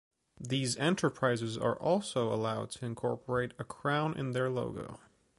These enterprises are also allowed to incorporate a crown in their logo.